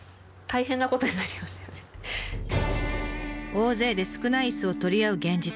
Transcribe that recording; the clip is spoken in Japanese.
大勢で少ない椅子を取り合う現実。